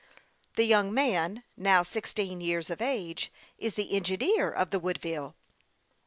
The young man, now sixteen years of age, is the engineer of the Woodville.